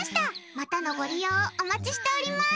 またのご利用をお待ちしておりまーす！